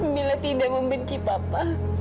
mila tidak membenci papa